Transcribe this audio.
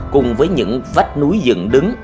cùng với những vách núi dựng đứng